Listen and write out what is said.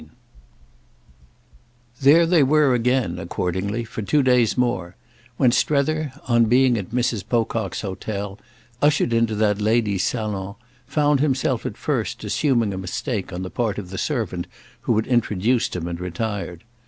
III There they were yet again, accordingly, for two days more; when Strether, on being, at Mrs. Pocock's hotel, ushered into that lady's salon, found himself at first assuming a mistake on the part of the servant who had introduced him and retired.